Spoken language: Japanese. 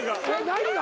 何が？